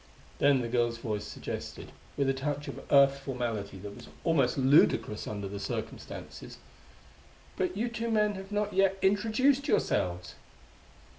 Then the girl's voice suggested, with a touch of Earth formality that was almost ludicrous under the circumstances: "But you two men have not yet introduced yourselves!"